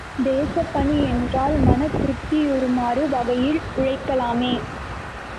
தேசப் பணி என்றால் மனம் திருப்தியுறும் வகையில் உழைக்கலாமே!